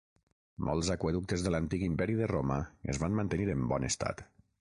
Molts aqüeductes de l'antic imperi de Roma es van mantenir en bon estat.